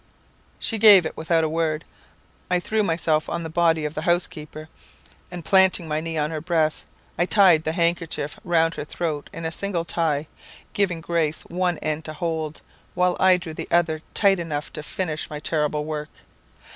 She gave it without a word. I threw myself upon the body of the housekeeper, and planting my knee on her breast, I tied the handkerchief round her throat in a single tie, giving Grace one end to hold, while I drew the other tight enough to finish my terrible work.